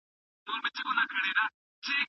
هغه د خدای د یاد په حال کې تل مست و.